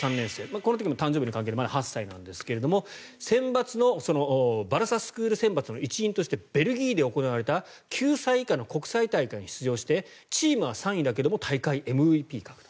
この時も誕生日の関係でまだ８歳なんですがバルサスクール選抜の一員としてベルギーで行われた９歳以下の国際大会に出場して、チームは３位だけれど大会ＭＶＰ獲得。